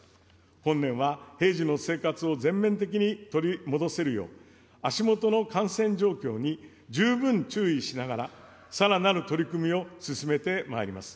本年は平時の生活を全面的に取り戻せるよう、足下の感染状況に十分注意しながら、さらなる取り組みを進めてまいります。